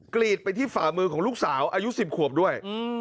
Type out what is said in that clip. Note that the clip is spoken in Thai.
กรีดไปที่ฝ่ามือของลูกสาวอายุ๑๐ขวบด้วย